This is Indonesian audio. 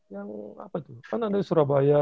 yang apa tuh kan ada di surabaya